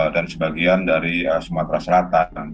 dan sebagian dari sumatera selatan